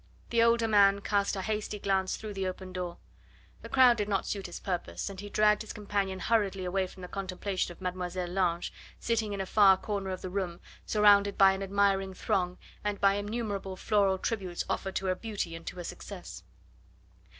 The older man cast a hasty glance through the open door. The crowd did not suit his purpose, and he dragged his companion hurriedly away from the contemplation of Mlle. Lange, sitting in a far corner of the room, surrounded by an admiring throng, and by innumerable floral tributes offered to her beauty and to her success.